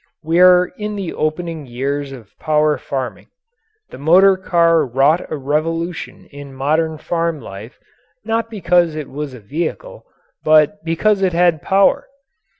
We are in the opening years of power farming. The motor car wrought a revolution in modern farm life, not because it was a vehicle, but because it had power.